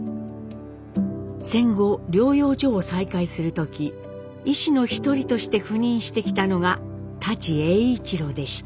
戦後療養所を再開する時医師の一人として赴任してきたのが舘栄一郎でした。